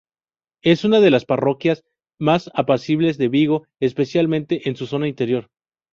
Es una de las parroquias más apacibles de Vigo, especialmente en su zona interior.